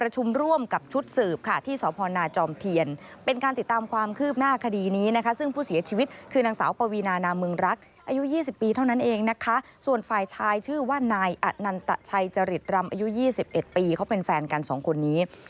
ชายชื่อว่านายอันนันตะชายจริตรำอายุ๒๑ปีเขาเป็นแฟนกัน๒คนนี้